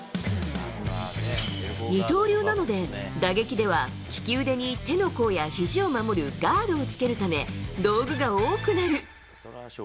二刀流なので、打撃では利き腕に手の甲やひじを守るガードをつけるため、道具が多くなる。